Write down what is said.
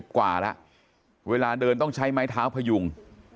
กว่าแล้วเวลาเดินต้องใช้ไม้เท้าพยุง